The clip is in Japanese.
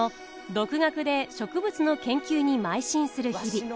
独学で植物の研究にまい進する日々。